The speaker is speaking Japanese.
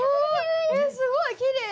えっすごいきれい！